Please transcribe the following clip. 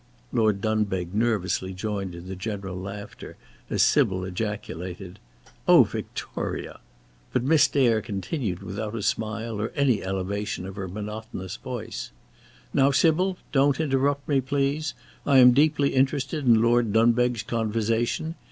Lord Dunbeg nervously joined in the general laughter as Sybil ejaculated: "Oh, Victoria!" but Miss Dare continued without a smile or any elevation of her monotonous voice: "Now, Sybil, don't interrupt me, please. I am deeply interested in Lord Dunbeg's conversation.